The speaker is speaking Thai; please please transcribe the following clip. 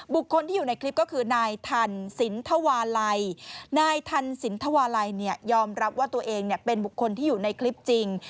บุคคลที่อยู่ในคลิปก็คือนายทันสินทวาลัยนายทันสินทวาลัยยอมรับว่าตัวเองเป็นบุคคลที่อยู่ในคลิปจริง